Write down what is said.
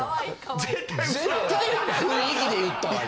絶対雰囲気で言ったわ今。